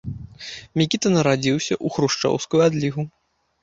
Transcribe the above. Мікіта нарадзіўся ў хрушчоўскую адлігу.